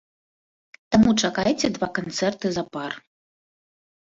Таму чакайце два канцэрты запар.